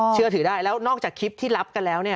เชื่อถือได้แล้วนอกจากคลิปที่รับกันแล้วเนี่ย